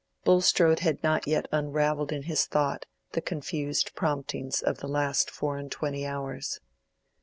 Bulstrode had not yet unravelled in his thought the confused promptings of the last four and twenty hours.